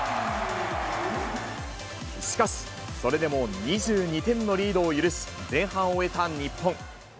しかし、それでも２２点のリードを許し、前半を終えた日本。